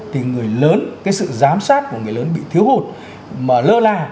thì người lớn cái sự giám sát của người lớn bị thiếu hụt mà lơ là